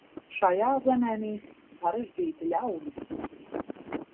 Šajā zemē mīt sarežģīti ļaudis.